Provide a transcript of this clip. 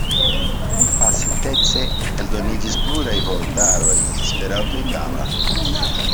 Pasintece eldoniĝis pluraj vortaroj Esperanto-itala.